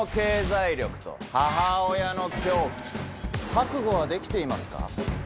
覚悟はできていますか？